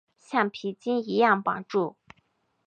橡皮筋一样绑住